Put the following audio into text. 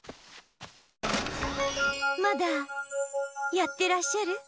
まだやってらっしゃる？